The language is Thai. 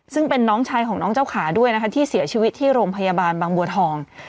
ซึ่งเป็นน้องชายของน้องเจ้าขาด้วยนะคะที่เสียชีวิตที่โรงพยาบาลบางบัวทอง